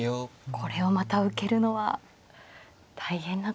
これをまた受けるのは大変なことですね。